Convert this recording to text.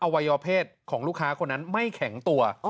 วัยวเพศของลูกค้าคนนั้นไม่แข็งตัว